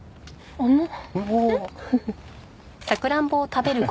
甘っ！